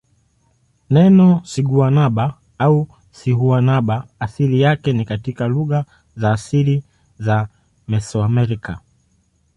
Neno siguanaba au sihuanaba asili yake ni katika lugha za asili za Mesoamerica.